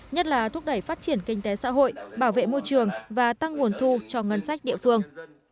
nhất là thúc đẩy phát triển kinh tế xã hội bảo vệ môi trường và tăng nguồn thu cho ngân sách địa phương